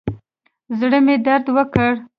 زړه مې درد وکړ.